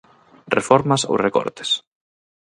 Reformas ou recortes?